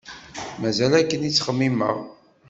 Mazal akken i ttxemmimeɣ.